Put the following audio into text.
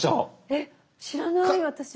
えっ知らない私も。